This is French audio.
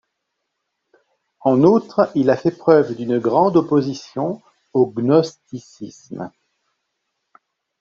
En outre, il a fait preuve d'une grande opposition au gnosticisme.